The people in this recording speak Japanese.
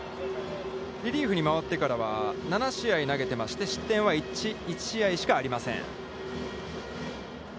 リリーフに回ってからは７試合投げていまして、失点は１、１試合しかありません。